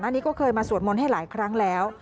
อันนี้ก็เคยมาสวดมนต์ให้หลายครั้งแล้ว